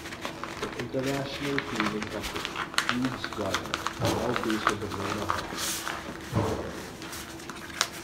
The international cleaning company, Hughes Gardner, are now based in the manor house.